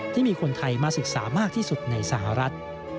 ที่มีคนไทยมาศึกษามากที่สุดในสหรัฐ